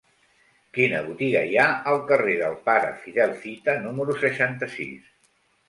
Quina botiga hi ha al carrer del Pare Fidel Fita número seixanta-sis?